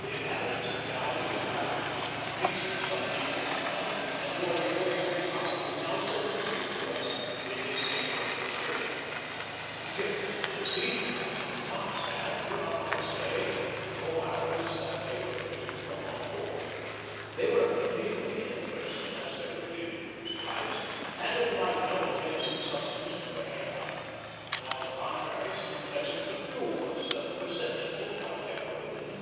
The inhabitants of the island were Arabs, mixed with some negro blood, and wore the Oriental costume now so familiar to us all in this age of illustration. The ship was besieged by them at once, and throughout our stay, at all hours that they were permitted to come on board. They were cleanly in person, as their religion prescribes, and applied no offensive substance to their hair; on the contrary, some pleasant perfume was perceptible about their clothing.